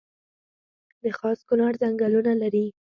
د خاص کونړ ځنګلونه لري